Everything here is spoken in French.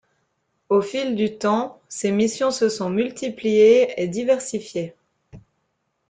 Au fil du temps ses missions se sont multipliées et diversifiées.